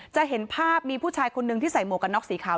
จะเห็นภาพมีผู้ชายคนนึงที่ใส่หมวกกันน็อกสีขาว